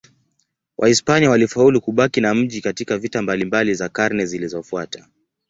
Wahispania walifaulu kubaki na mji katika vita mbalimbali za karne zilizofuata.